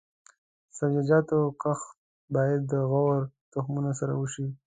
د سبزیجاتو کښت باید د غوره تخمونو سره وشي.